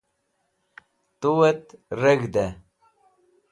tu'et reg̃hd'ey